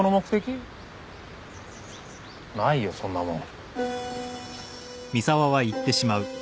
ないよそんなもん。